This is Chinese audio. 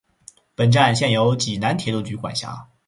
本站现由济南铁路局管辖。